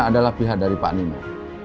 adalah pihak dari pak nima